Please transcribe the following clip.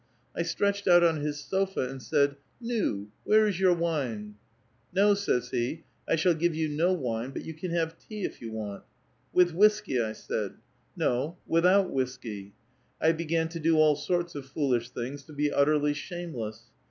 I stretched out on his sofa,. and said;. ^ Nu^ where is your wine?' ' No,' says he, ' I shall give you no wine ; but you can have tea, if you want.' ' With whiskey,' I said. ' No, without whiskey.' 1 began to do all sorts of foolish things, to be utterly shameless.